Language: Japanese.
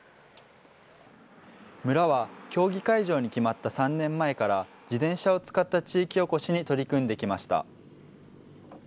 村は競技会場に決まった３年前から、自転車を使った地域おこしに取り組んできました。